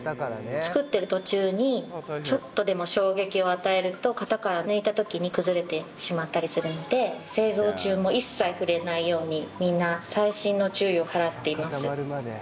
作ってる途中にちょっとでも衝撃を与えると型から抜いた時に崩れてしまったりするので製造中も一切触れないようにみんな細心の注意を払っています。